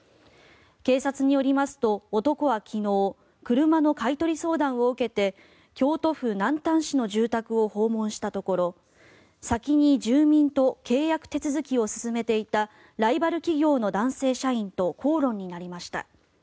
警察によりますと、男は昨日車の買い取り相談を受けて京都府南丹市の住宅を訪問したところ先に住民と契約手続きを進めていたライバル企業の男性社員と口論になりました。